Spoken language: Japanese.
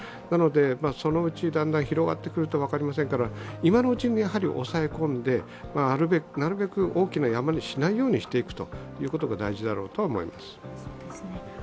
なので、そのうちだんだん広がってくると分かりませんから今のうちに抑え込んで、なるべく大きな山にしないようにしていくことが大事だと思います。